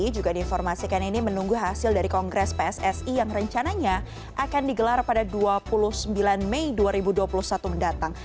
juga diinformasikan ini menunggu hasil dari kongres pssi yang rencananya akan digelar pada dua puluh sembilan mei dua ribu dua puluh satu mendatang